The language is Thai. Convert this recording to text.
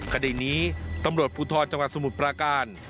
คดีนี้ตำรวจภูทรจังหวัดสมุทรปราการ